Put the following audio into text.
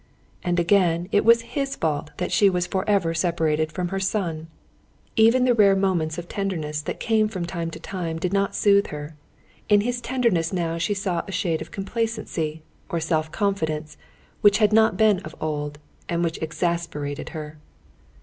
And again, it was his fault that she was forever separated from her son. Even the rare moments of tenderness that came from time to time did not soothe her; in his tenderness now she saw a shade of complacency, of self confidence, which had not been of old, and which exasperated her.